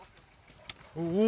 お！